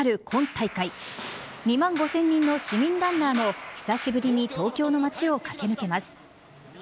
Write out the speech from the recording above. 今大会２万５０００人の市民ランナーも久しぶりに東京の街を駆け抜けます。